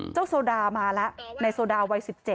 โซดามาแล้วในโซดาวัย๑๗